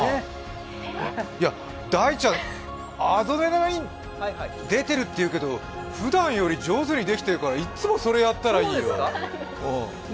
大ちゃん、アドレナリン出てるっていうけど、ふだんより上手にできてるのよ、いっつもそれやったらどうですか。